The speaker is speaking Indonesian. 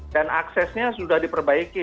dan aksesnya sudah diperbaiki